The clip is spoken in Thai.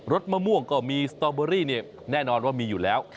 สมะม่วงก็มีสตอเบอรี่เนี่ยแน่นอนว่ามีอยู่แล้ว